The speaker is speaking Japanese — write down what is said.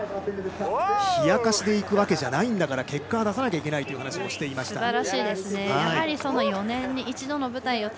冷やかしで行くわけじゃないんだから結果は出さなきゃいけないという話もしていました。